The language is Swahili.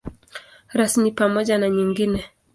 Rasmi pamoja na nyingine.